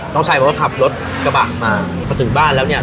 น้องชายเขาก็ขับรถกระบะมาพอถึงบ้านแล้วเนี่ย